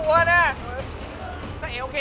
อุ๊ยใจแอใจแอ